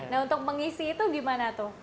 nah untuk mengisi itu gimana tuh